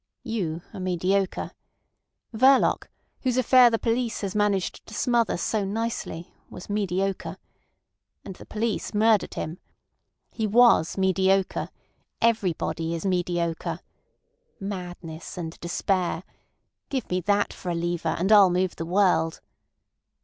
You are mediocre. Verloc, whose affair the police has managed to smother so nicely, was mediocre. And the police murdered him. He was mediocre. Everybody is mediocre. Madness and despair! Give me that for a lever, and I'll move the world.